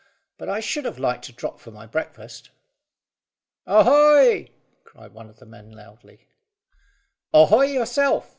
But I should have liked a drop for my breakfast." "Ahoy!" cried one of the men loudly. "Ahoy yourself!"